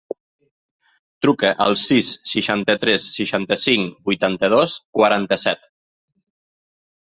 Truca al sis, seixanta-tres, seixanta-cinc, vuitanta-dos, quaranta-set.